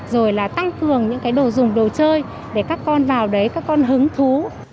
rồi là tăng cường những cái đồ dùng đồ chơi để các con vào đấy các con hứng thú